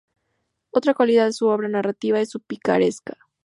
Otra cualidad de su obra narrativa es su picaresca.